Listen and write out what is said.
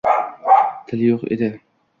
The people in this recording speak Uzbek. Tili yoʻq edi